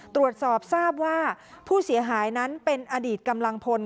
ตรวจสอบทราบว่าผู้เสียหายนั้นเป็นอดีตกำลังพล